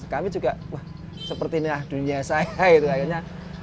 kami juga seperti ini lah dunia saya